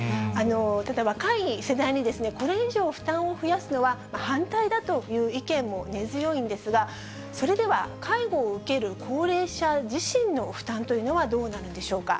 ただ若い世代にこれ以上負担を増やすのは反対だという意見も根強いんですが、それでは、介護を受ける高齢者自身の負担というのはどうなるんでしょうか。